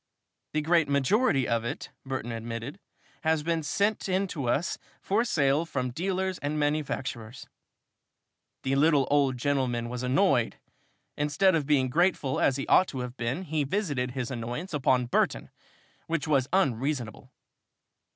"The great majority of it," Burton admitted, "has been sent in to us for sale from dealers and manufacturers." The little old gentleman was annoyed. Instead of being grateful, as he ought to have been, he visited his annoyance upon Burton, which was unreasonable.